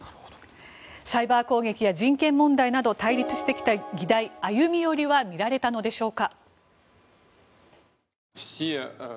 サイバー攻撃や人権問題など、対立してきた議題歩み寄りは見られたのでしょうか？